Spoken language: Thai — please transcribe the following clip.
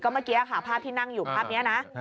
เมื่อกี้ค่ะภาพที่นั่งอยู่ภาพนี้นะ